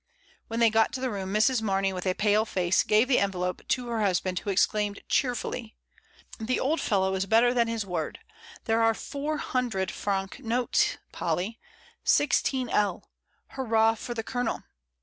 When they got into the room, Mrs. Mamey, with a pale face, gave the envelope to her husband, who exclaimed cheerfully — "The old fellow is better than his word — there are four hundred francs notes, Polly— 1 6/.— hurrah for the Colonel!"